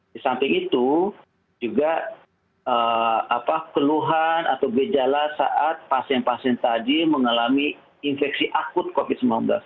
di samping itu juga keluhan atau gejala saat pasien pasien tadi mengalami infeksi akut covid sembilan belas